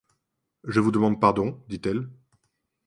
Je vous demande pardon, dit-elle.